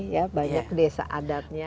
ya banyak desa adatnya